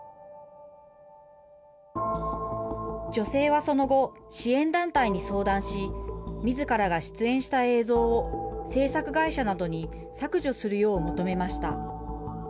女性はその後、支援団体に相談し、みずからが出演した映像を制作会社などに削除するよう求めました。